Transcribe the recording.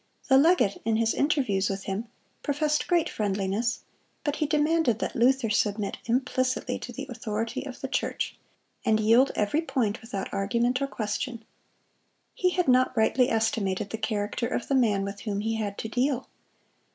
The legate, in his interviews with him, professed great friendliness; but he demanded that Luther submit implicitly to the authority of the church, and yield every point without argument or question. He had not rightly estimated the character of the man with whom he had to deal.